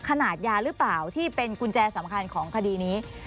ขนาดยาหรือเปล่าที่เป็นกุญแจสำคัญของคดีนี้